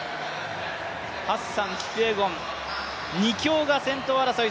ハッサン、キピエゴン、２強が先頭争い。